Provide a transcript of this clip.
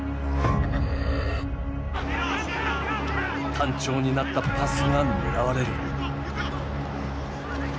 単調になったパスが狙われる。